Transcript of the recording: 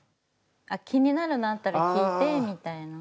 あっ気になるのあったら聞いてみたいな？